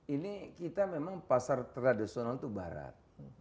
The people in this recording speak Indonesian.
ini kita memang pasar tradisional itu barat